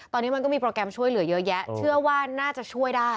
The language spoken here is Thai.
ตอนนี้มันก็มีโปรแกรมช่วยเหลือเยอะแยะเชื่อว่าน่าจะช่วยได้